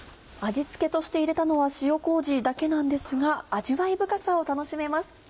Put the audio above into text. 味付けとして入れたのは塩麹だけなんですが味わい深さを楽しめます。